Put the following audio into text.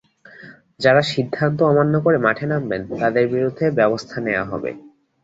যাঁরা সিদ্ধান্ত অমান্য করে মাঠে নামবেন, তাঁদের বিরুদ্ধে ব্যবস্থা নেওয়া হবে।